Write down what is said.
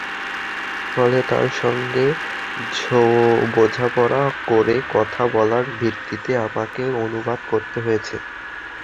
ফলে তাঁর সঙ্গে বোঝাপড়া করে, কথা বলার ভিত্তিতে আমাকে অনুবাদ করতে হয়েছে।